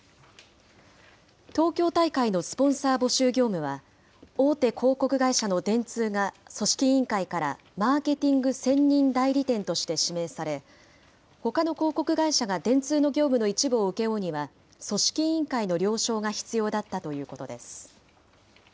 東京大会のスポンサー募集業務は、大手広告会社の電通が、組織委員会からマーケティング専任代理店として指名され、ほかの広告会社が電通の業務の一部を請け負うには組織委員会の了承が必要だったということです。